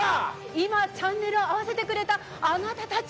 今チャンネルを合わせてくれたあなたたち！